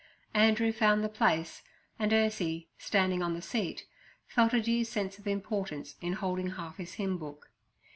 Andrew found the place, and Ursie, standing on the seat, felt a due sense of importance in holding half his hymn book.